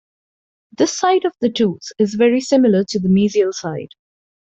This side of the tooth is very similar to the mesial side.